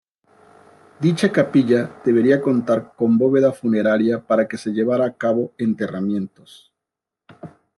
Dicha capilla debía contar con bóveda funeraria para que se llevara a cabo enterramientos.